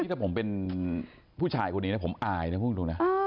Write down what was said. ถ้าผมเป็นผู้ชายคนนี้นะผมอายนะพูดตรงนะ